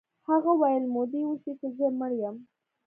هغه ویل مودې وشوې چې زه مړ یم